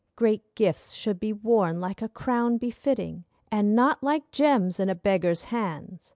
Great gifts should be worn, like a crown befitting, And not like gems in a beggar's hands!